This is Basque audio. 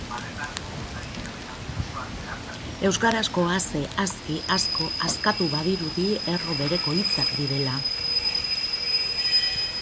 Euskarazko ase, aski, asko, askatu badirudi erro bereko hitzak direla.